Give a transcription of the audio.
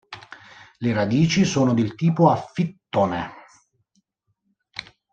Le radici sono del tipo a fittone.